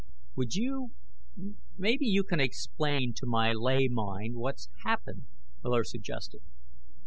"Would you maybe you can explain to my lay mind what's happened," Miller suggested.